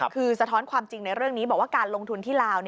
คือสะท้อนความจริงในเรื่องนี้บอกว่าการลงทุนที่ลาว